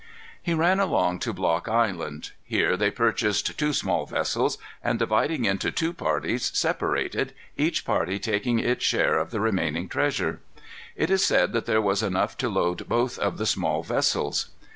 He ran along to Block Island. Here they purchased two small vessels, and, dividing into two parties, separated, each party taking its share of the remaining treasure. It is said that there was enough to load both of the small vessels.